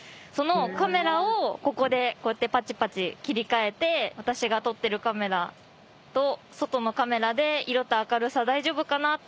そのカメラをここでこうやってパチパチ切り替えて私が撮ってるカメラと外のカメラで色と明るさ大丈夫かな？